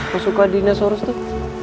kok suka dinosaurus tuh